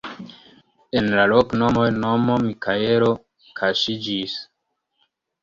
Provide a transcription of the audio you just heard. En la loknomoj nomo Mikaelo kaŝiĝis.